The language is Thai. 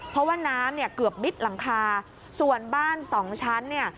เพราะว่าน้ำเนี่ยเกือบมิดหลังคาส่วนบ้านสองชั้นเนี่ย